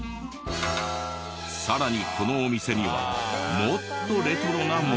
さらにこのお店にはもっとレトロなものが。